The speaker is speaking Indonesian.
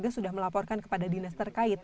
sudah melaporkan kepada dinas terkait